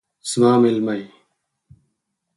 زما میلمه یې